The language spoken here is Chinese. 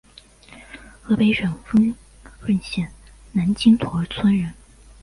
河北省丰润县南青坨村人。